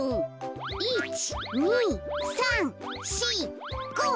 １２３４５！